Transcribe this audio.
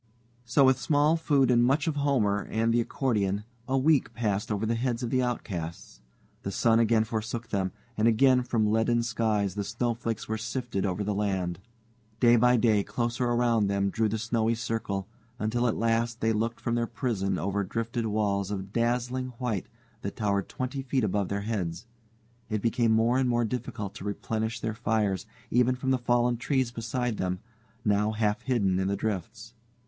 So with small food and much of Homer and the accordion, a week passed over the heads of the outcasts. The sun again forsook them, and again from leaden skies the snowflakes were sifted over the land. Day by day closer around them drew the snowy circle, until at last they looked from their prison over drifted walls of dazzling white that towered twenty feet above their heads. It became more and more difficult to replenish their fires, even from the fallen trees beside them, now half hidden in the drifts.